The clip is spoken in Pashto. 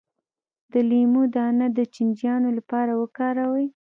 د لیمو دانه د چینجیانو لپاره وکاروئ